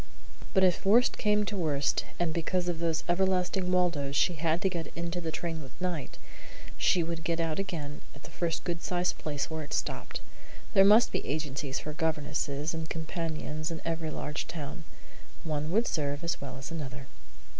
But if worst came to worst, and because of those everlasting Waldos she had to get into the train with Knight, she would get out again at the first good sized place where it stopped. There must be agencies for governesses and companions in every large town. One would serve as well as another.